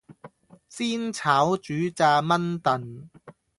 煎炒煮炸炆燉